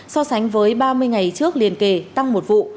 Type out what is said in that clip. so sánh với ba mươi ngày trước liên kề tăng một vụ